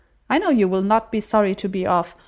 I know you will not be sorry to be off.